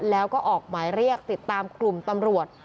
แล้วก็ออกหมายเรียกติดตามกลุ่มตำรวจ